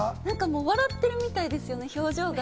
笑ってるみたいですよね、表情が。